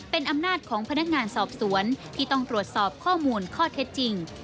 เป็นอำนาจของพนักงานสอบสวนที่ต้องตรวจสอบข้อมูลข้อเท็จจริง